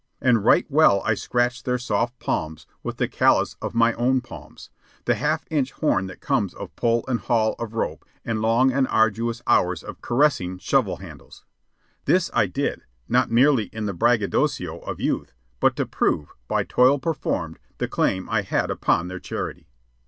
And right well I scratched their soft palms with the callous on my own palms the half inch horn that comes of pull and haul of rope and long and arduous hours of caressing shovel handles. This I did, not merely in the braggadocio of youth, but to prove, by toil performed, the claim I had upon their charity.